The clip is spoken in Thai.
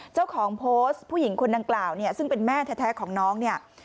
เจ้าของโพสต์ผู้หญิงคนนางกล่าวซึ่งเป็นแม่แท้ของน้อง